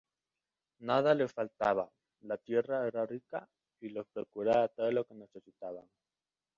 Nada les faltaba, la tierra era rica y les procuraba todo lo que necesitaban.